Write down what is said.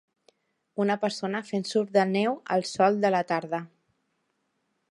Una persona fent surf de neu al sol de la tarda.